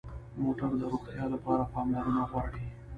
موټر د روغتیا لپاره پاملرنه غواړي.